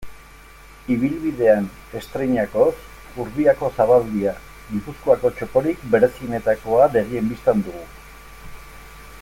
Ibilbidean estreinakoz, Urbiako zabaldia, Gipuzkoako txokorik berezienetakoa, begien bistan dugu.